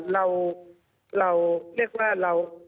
เราเรียกว่า